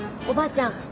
おばあちゃん